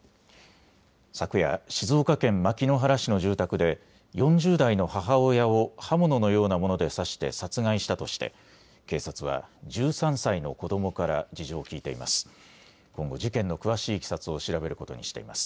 昨夜、静岡県牧之原市の住宅で４０代の母親を刃物のようなもので刺して殺害したとして警察は１３歳の子どもから事情を聞いています。